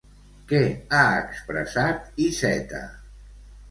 Què ha expressat Iceta?